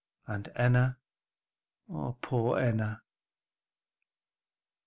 And Enna! poor Enna!"